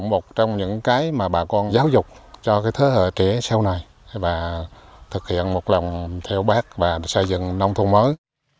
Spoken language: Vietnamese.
một trong những cái mà bà con giáo dục cho cái thế hệ trẻ sau này và thực hiện một lòng theo bác và xây dựng nông thôn mới